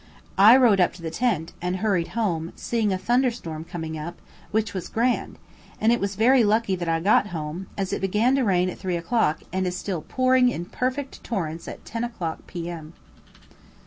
I, rode up to the tent, and hurried home, seeing a thunder storm coming up, which was grand; and it was very lucky that I got home, as it began to rain at 3 o'clock, and is still pouring in perfect torrents at 10 o'clock P.M.